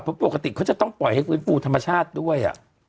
เพราะปกติเขาจะต้องปล่อยให้ฟื้นฟูธรรมชาติด้วย